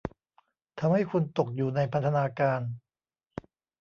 ทำให้คุณตกอยู่ในพันธนาการ